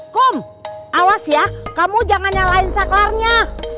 kom awas ya kamu jangan nyalain saklarnya